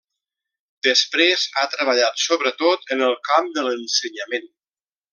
Després ha treballat sobretot en el camp de l'ensenyament.